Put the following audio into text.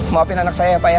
maafin anak saya ya pak ya